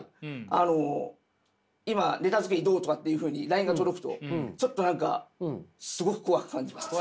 あの「今ネタ作りどう？」とかっていうふうにＬＩＮＥが届くとちょっと何かすごく怖く感じます。